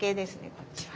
こっちは。